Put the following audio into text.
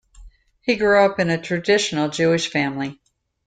He grew up in a traditional Jewish family.